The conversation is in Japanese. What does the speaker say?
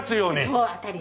そう当たり！